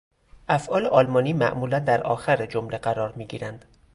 افعال آلمانی معمولا در آخر جمله قرار میگیرند.